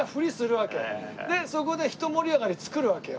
でそこでひと盛り上がり作るわけよ。